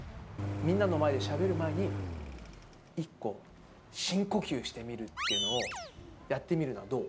みんなの前でしゃべる前に、一個深呼吸してみるっていうのをやってみるのはどう？